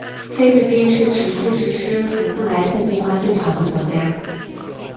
菲律宾是持续实施福布莱特计划最长的国家。